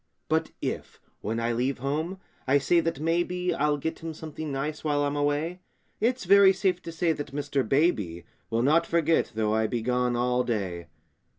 But if, when I leave home, I say that maybe I'll get him something nice while I'm away, It's very safe to bet that Mr. Baby Will not forget, though I be gone all day.